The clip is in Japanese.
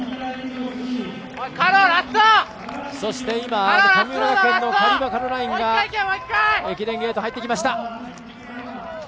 そして、神村学園のカリバ・カロラインが駅伝ゲート、入ってきました。